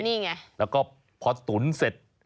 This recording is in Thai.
นี่ไงแล้วก็พอตุ๋นเสร็จ